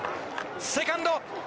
セカンド。